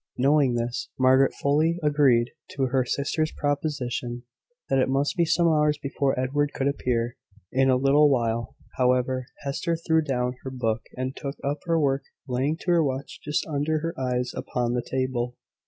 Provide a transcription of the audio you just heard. Knowing this, Margaret fully agreed to her sister's proposition, that it must be some hours before Edward could appear. In a little while, however, Hester threw down her book, and took up her work, laying her watch just under her eyes upon the table.